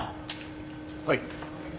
はい。